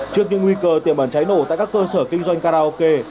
trước những nguy cơ tiềm ẩn cháy nổ tại các cơ sở kinh doanh karaoke